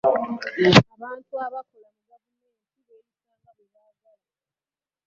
Abantu abakola mu gavumenti beyisa nga bwe baagala.